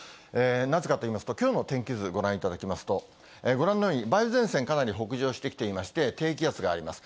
なぜかといいますと、きょうの天気図ご覧いただきますと、ご覧のように、梅雨前線、かなり北上してきていまして、低気圧があります。